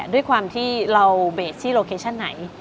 ด้วยความที่เราเบสที่โลเคชั่นไหน